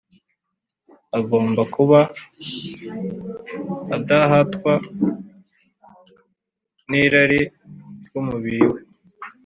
Agomba kuba adahatwa n’irari ry’umubiri we